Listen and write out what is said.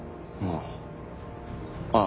ああ。